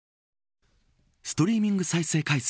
ストリーミング再生回数